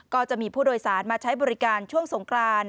ก็จะมีผู้โดยสารมาใช้บริการช่วงสงกราน